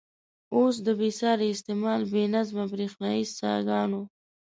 اوس د بې ساري استعمال، بې نظمه برېښنايي څاګانو.